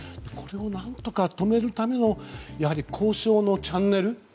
これを何とか止めるためのやはり交渉のチャンネル